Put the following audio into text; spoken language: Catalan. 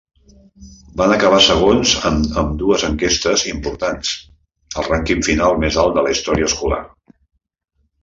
Van acabar segons en ambdues enquestes importants, el rànquing final més alt de la història escolar.